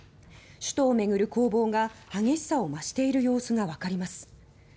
首都を巡る攻防が激しさを増している様子がわかります。